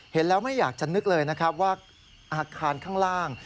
เห็นแล้วไม่อยากจะนึกเลยนะครับว่าอาคารข้างล่าง